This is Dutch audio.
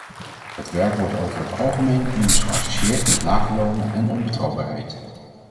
Het werk wordt over het algemeen immers geassocieerd met lage lonen en onbetrouwbaarheid.